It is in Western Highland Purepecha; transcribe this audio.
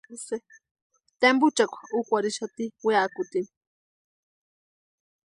Tempuchakwa úkwarhixati weakutini.